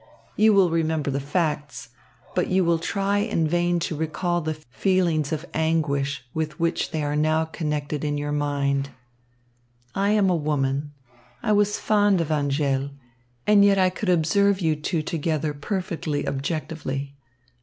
You will remember the facts; but you will try in vain to recall the feelings of anguish with which they are now connected in your mind. I am a woman. I was fond of Angèle. And yet I could observe you two together perfectly objectively.